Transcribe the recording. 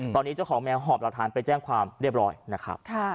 ตอนนี้เจ้าของแมวหอบหลักฐานไปแจ้งความเรียบร้อยนะครับ